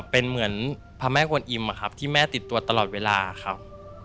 เป็นเหมือนพาแม่กวนอิ่มอะครับที่แม่ติดตัวตลอดเวลาอะครับ